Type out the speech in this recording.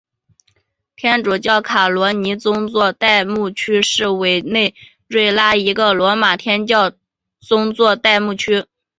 天主教卡罗尼宗座代牧区是委内瑞拉一个罗马天主教宗座代牧区。